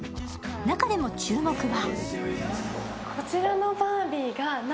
中でも注目は？